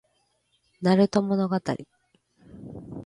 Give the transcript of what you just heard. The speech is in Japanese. なると物語